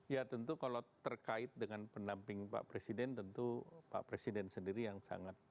ya tentu kalau terkait dengan pendamping pak presiden tentu pak presiden sendiri yang sangat